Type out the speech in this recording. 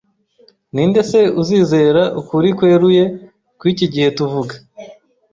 Ni nde se uzizera ukuri kweruye kw’iki gihe tuvuga,